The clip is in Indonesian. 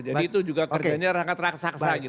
jadi itu juga kerjanya raksasa gitu